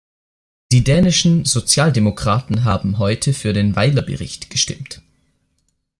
Die dänischen Sozialdemokraten haben heute für den Weiler-Bericht gestimmt.